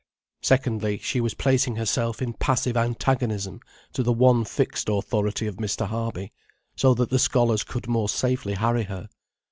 Secondly, she was placing herself in passive antagonism to the one fixed authority of Mr. Harby, so that the scholars could more safely harry her.